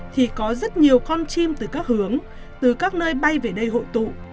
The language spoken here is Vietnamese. thì có rất nhiều con chim từ các hướng từ các nơi bay về đây hội tụ